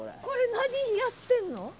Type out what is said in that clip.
これ何やってんの？